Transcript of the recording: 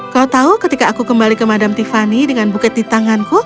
kau tahu ketika aku kembali ke madam tiffany dengan buket di tanganku